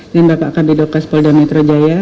dan bapak kabit dokes polda metro jaya